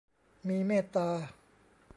มีเมตตา